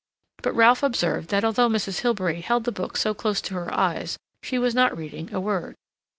But Ralph observed that although Mrs. Hilbery held the book so close to her eyes she was not reading a word.